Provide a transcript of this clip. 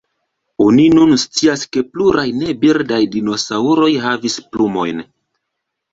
Oni nun scias ke pluraj ne-birdaj dinosaŭroj havis plumojn.